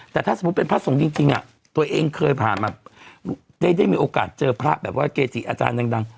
แต่ถ้าสมมุติเป็นพระสงฆ์จริงตัวเองเคยผ่านมาได้มีโอกาสเจอพระแบบว่าเกจิอาจารย์ดัง